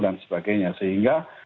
dan sebagainya sehingga